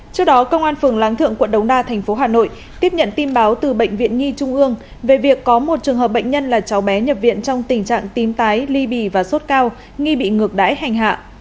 trước đó công an phường láng thượng quận đống đa thành phố hà nội tiếp nhận tin báo từ bệnh viện nhi trung ương về việc có một trường hợp bệnh nhân là cháu bé nhập viện trong tình trạng tím tái ly bì và sốt cao nghi bị ngược đáy hành hạ